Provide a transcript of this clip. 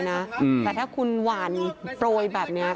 แต่ถ้าคุณหวานโปรยแบบนี้